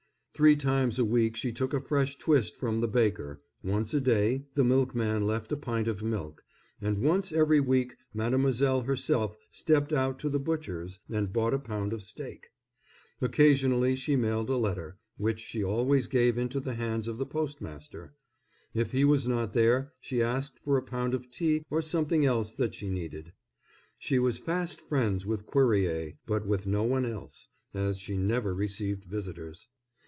Three times a week she took a fresh twist from the baker, once a day, the milkman left a pint of milk, and once every week mademoiselle herself stepped out to the butcher's and bought a pound of steak. Occasionally she mailed a letter, which she always gave into the hands of the postmaster; if he was not there she asked for a pound of tea or something else that she needed. She was fast friends with Cuerrier, but with no one else, as she never received visitors.